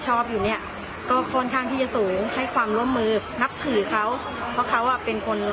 เก่าคนแก่เป็นผู้ใหญ่ที่ทรงคุณวุฒิในชุมชนแล้วจะตัวกระลักษณ์ในอาชีพนี้ก็คือไม่ออกถึงอายุเยอะแล้วก็ยังอยากจะทำอยู่